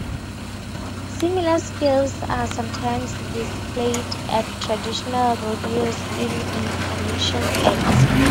Similar skills are sometimes displayed at traditional rodeos in intermission acts.